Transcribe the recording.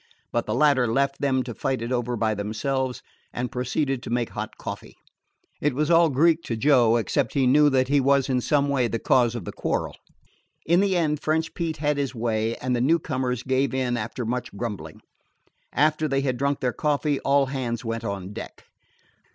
But the latter left them to fight it over by themselves, and proceeded to make hot coffee. It was all Greek to Joe, except he knew that he was in some way the cause of the quarrel. In the end French Pete had his way, and the newcomers gave in after much grumbling. After they had drunk their coffee, all hands went on deck.